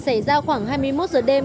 xảy ra khoảng hai mươi một giờ đêm